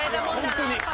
ホントに。